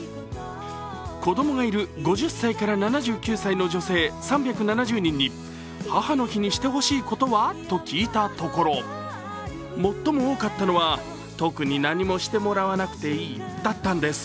子供がいる５０歳から７９歳の女性３７０人に母の日にしてほしいことはと聞いたところ、最も多かったのは特に何もしてもらわなくていいだったんです。